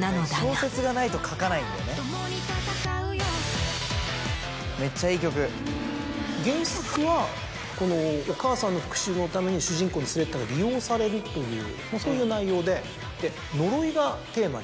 ずっと共に闘うよ原作はお母さんの復讐のために主人公のスレッタが利用されるというそういう内容で「呪い」がテーマに。